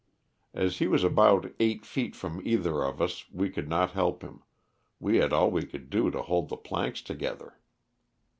As he was about eight feet from either of us we could not help him, we had all we could do to hold the planks together.